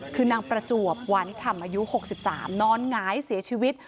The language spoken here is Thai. คือนางประจวบหวานฉ่ำอายุ๖๓นอนหงายเสียชีวิต